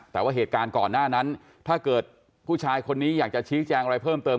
แต่ว่าเหตุการณ์ก่อนหน้านั้นถ้าเกิดผู้ชายคนนี้อยากจะชี้แจงอะไรเพิ่มเติม